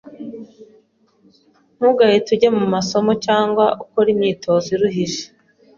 ntugahite ujya mu masomo cyangwa ukora imyitozo iruhije;